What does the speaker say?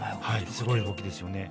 すごい動きですよね。